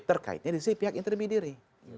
terkaitnya di pihak intermediary